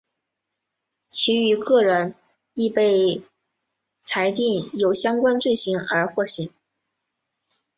其余各人亦被裁定有相关罪行而获刑。